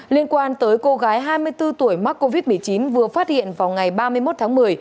liên quan tới cô gái hai mươi bốn tuổi mắc covid một mươi chín vừa phát hiện vào ngày ba mươi một tháng một mươi